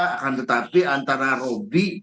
akan tetapi antara robby